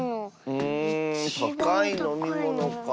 うんたかいのみものかあ。